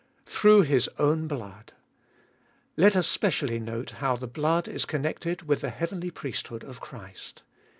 Through His own blood. Let us specially note how the blood is connected with the heavenly priesthood of Christ.